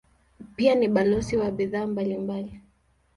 Pia ni balozi wa bidhaa mbalimbali.